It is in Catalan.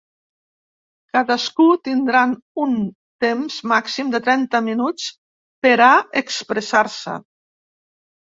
Cadascú tindran un temps màxim de trenta minuts per a expressar-se.